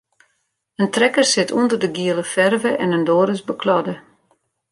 In trekker sit ûnder de giele ferve en in doar is bekladde.